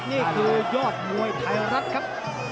นี่คือยอดมวยไทยรัฐครับ